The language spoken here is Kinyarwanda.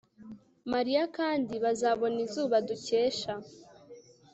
mariya, kandi bazabona izuba dukesha